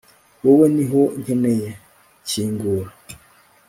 wawe niho nkeneye, kingura